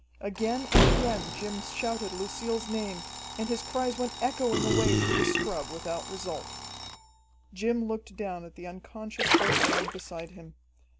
Again and again Jim shouted Lucille's name, and his cries went echoing away through the scrub without result. Jim looked down at the unconscious old man beside him.